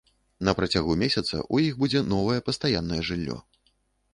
На працягу месяца ў іх будзе новае пастаяннае жыллё.